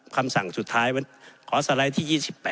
คำสั่งสุดท้ายขอสไลด์ที่๒๘